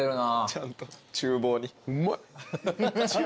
ちゃんと厨房に。